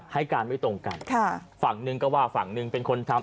ให้การไม่ตรงกันค่ะฝั่งหนึ่งก็ว่าฝั่งหนึ่งเป็นคนทำ